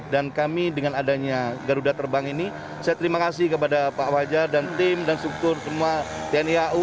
dan kami dengan adanya garuda terbang ini saya terima kasih kepada pak wajar dan tim dan struktur semua tniau